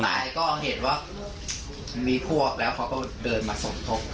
นายก็เห็นว่ามีพวกแล้วเขาก็เดินมาสมทบ